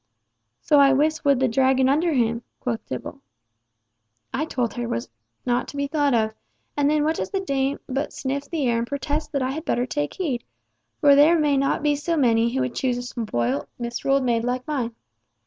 "So I wis would the Dragon under him," quoth Tibble. "I told her 'twas not to be thought of, and then what does the dame but sniff the air and protest that I had better take heed, for there may not be so many who would choose a spoilt, misruled maid like mine.